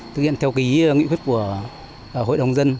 thực hiện theo nghị quyết của hội đồng dân